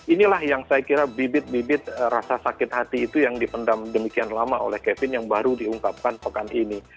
inilah yang saya kira bibit bibit rasa sakit hati itu yang dipendam demikian lama oleh kevin yang baru diungkapkan pekan ini